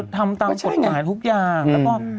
ต่างปกติหายทุกอย่าง